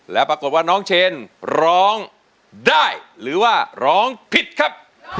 แล้วปรากฏว่าน้องเชนร้องได้หรือว่าร้องผิดครับ